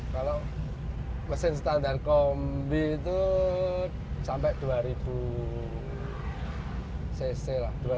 kalau mesin standar kombi itu sampai dua ribu cc lah